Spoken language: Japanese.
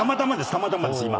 たまたまです今。